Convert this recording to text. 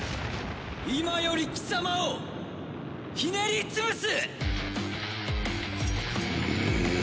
今より貴様をひねり潰す！